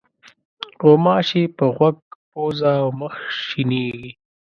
غوماشې په غوږ، پوزه او مخ شېنېږي.